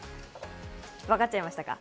わかっちゃいましたか？